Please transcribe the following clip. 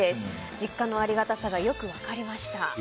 実家のありがたさがよく分かりました。